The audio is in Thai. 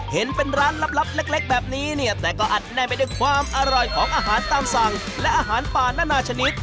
เห็นเป็นร้านลับเล็กแบบนี้เนี่ยแต่ก็อัดแน่นไปด้วยความอร่อยของอาหารตามสั่งและอาหารป่านานาชนิด